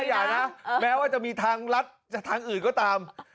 อย่านะแม้ว่าจะมีทางรัฐจะทางอื่นก็ตาม